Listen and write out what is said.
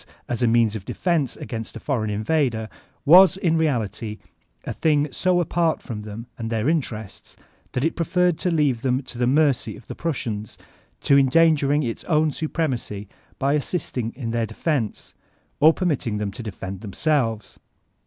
as a means of defense against a foreign invader, was in reality a thing so apart from them and their interests that it preferred to leave them to the mercy of the Prussians, to endangering its own supremacy by assisting in their defense, or permitting them to defend themselves.